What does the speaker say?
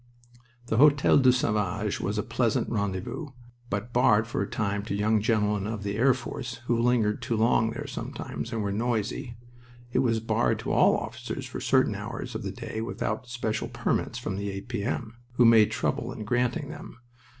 The Hotel du Sauvage was a pleasant rendezvous, but barred for a time to young gentlemen of the air force, who lingered too long there sometimes and were noisy. It was barred to all officers for certain hours of the day without special permits from the A.P.M., who made trouble in granting them.